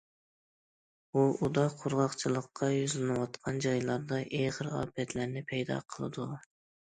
ئۇ ئۇدا قۇرغاقچىلىققا يۈزلىنىۋاتقان جايلاردا ئېغىر ئاپەتلەرنى پەيدا قىلىدۇ.